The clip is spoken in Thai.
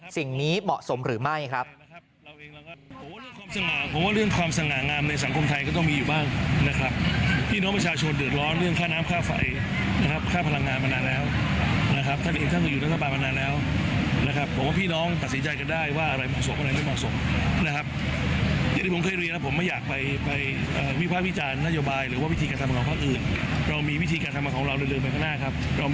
สิ่งนี้เหมาะสมหรือไม่ครับ